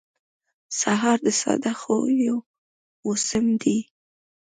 سهار د ساده خوښیو موسم دی.